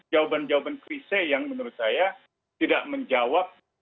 jawaban jawaban krise yang menurut saya tidak menjawab